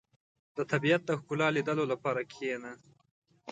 • د طبیعت د ښکلا لیدلو لپاره کښېنه.